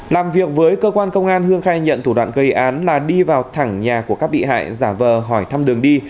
làm việc với cơ quan công an hương khai nhận thủ đoạn gây án là đi vào thẳng nhà của các bị hại giả vờ hỏi thăm đường đi